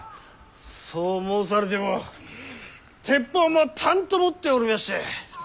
そう申されても鉄砲もたんと持っておりまして。